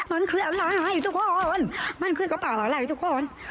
มันคืออะไรทุกคนมันคือกระเป๋าละไหลทุกคน